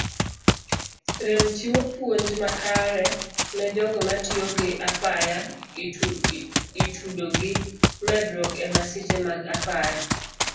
Rem chiwo puonj makare nejogo matiyo gi apaya itudo gi medruok emasiche mag apaya.